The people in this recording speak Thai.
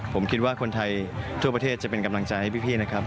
ผมคิดว่าคนไทยทั่วประเทศจะเป็นกำลังใจให้พี่นะครับ